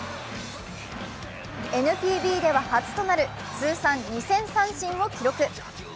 ＮＰＢでは初となる通算２０００三振を記録。